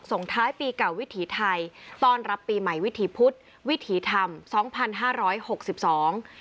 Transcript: ส่งท้ายปีเก่าวิถีไทยต้อนรับปีใหม่วิถีพุธวิถีธรรมสองพันห้าร้อยหกสิบสอง